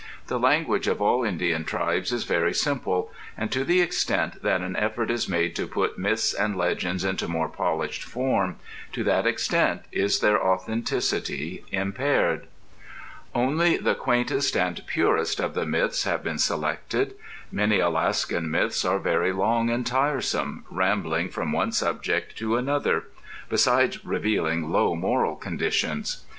The language of all Indian tribes is very simple, and to the extent that an effort is made to put myths and legends into more polished form, to that extent is their authenticity impaired. Only the quaintest and purest of the myths have been selected. Many Alaskan myths are very long and tiresome, rambling from one subject to another, besides revealing low moral conditions.